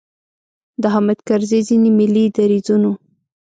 د حامد کرزي ځینې ملي دریځونو.